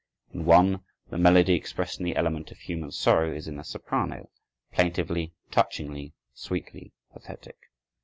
In one, the melody expressing the element of human sorrow is in the soprano, plaintively, touchingly, sweetly pathetic.